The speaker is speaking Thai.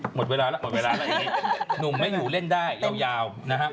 หมดเวลาล่ะหมดเวลาล่ะหนุ่มไม่อยู่เล่นได้ยาวนะฮะ